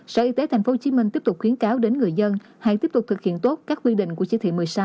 sở y tế thành phố hồ chí minh tiếp tục khuyến cáo đến người dân hãy tiếp tục thực hiện tốt các quy định của chỉ thị một mươi sáu